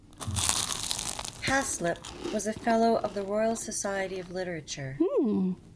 Haslip was a Fellow of the Royal Society of Literature.